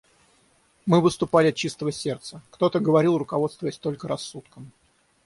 Мы выступали от чистого сердца; кто-то говорил, руководствуясь только рассудком.